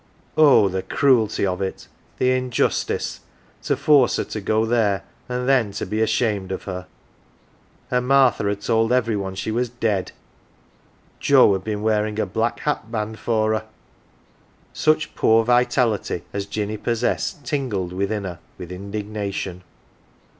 Oh, the cruelty of it the injustice to force her to go there, and then to be ashamed of her ! And Martha had told every one she was dead Joe had been wearing a black hat band for her ! Such poor vitality as Jinny possessed tingled within her with indignation.